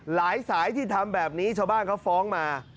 สายที่ทำแบบนี้ชาวบ้านเขาฟ้องมา